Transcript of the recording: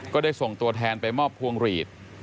ก็ได้ส่งตัวแทนไปมอบพวงหลีด